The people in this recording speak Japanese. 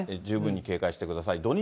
十分に警戒してください。